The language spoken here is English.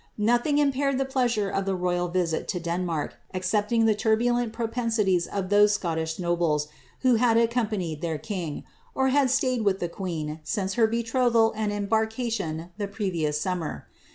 Nothing impaired the pleasure of the royal visit to Denmark, except ing the turbulent propensities of those Scottish nobles who had accom panied the king, or had stayed with the queen, since her betrothal and embarkation the previous summer.